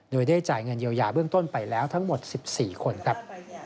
โดยได้จ่ายเงินเยียวยาเบื้องต้นไปแล้วทั้งหมด๑๔คนครับ